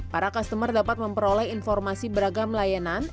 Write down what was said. para customer dapat memperoleh informasi beragam layanan